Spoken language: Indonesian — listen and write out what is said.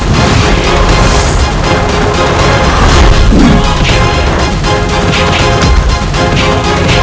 kamu sudah bertemu dengan ayahandamu